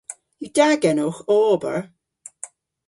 Yw da genowgh ow ober?